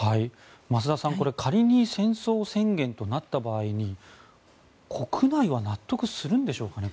増田さんこれ仮に戦争宣言となった場合国内は納得するんでしょうかね